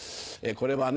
これはね